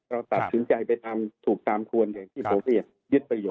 เราตัดสินใจไปทำถูกตามควรที่ผมเรียกยึดไปอยู่